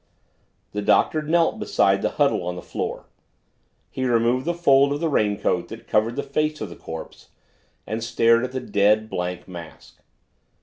The Doctor knelt beside the huddle on the floor. He removed the fold of the raincoat that covered the face of the corpse and stared at the dead, blank mask.